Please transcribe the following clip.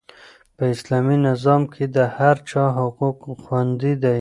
په اسلامي نظام کې د هر چا حقوق خوندي دي.